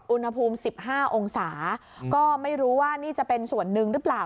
อุณหภูมิ๑๕องศาก็ไม่รู้ว่านี่จะเป็นส่วนหนึ่งหรือเปล่า